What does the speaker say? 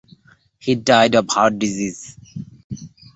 He died of heart disease.